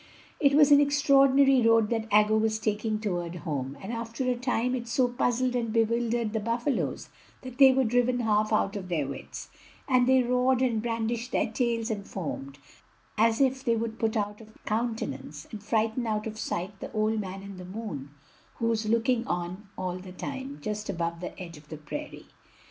It was an extraordinary road that Aggo was taking toward home; and after a time it so puzzled and bewildered the buffalos that they were driven half out of their wits, and they roared and brandished their tails and foamed, as if they would put out of countenance and frighten out of sight the old man in the moon, who was looking on all the time, just above the edge of the prairie.